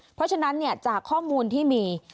เพราะฉะนั้นจากข้อมูลที่มี